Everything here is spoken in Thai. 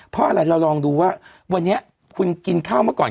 เพราะอะไรเราลองดูว่าวันนี้คุณกินข้าวเมื่อก่อน